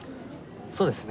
そうですね。